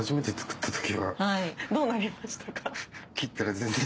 どうなりましたか？